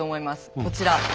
こちら。